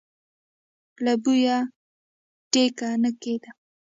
له بويه ټېکه نه کېده.